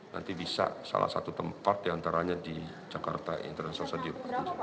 nanti bisa salah satu tempat diantaranya di jakarta international stadium